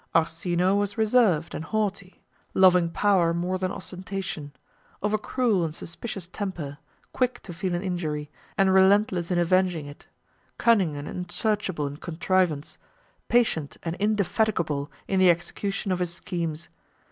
Orsino was reserved, and haughty; loving power more than ostentation; of a cruel and suspicious temper; quick to feel an injury, and relentless in avenging it; cunning and unsearchable in contrivance, patient and indefatigable in the execution of his schemes.